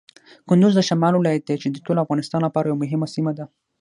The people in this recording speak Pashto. کندز د شمال ولایت دی چې د ټول افغانستان لپاره یوه مهمه سیمه ده.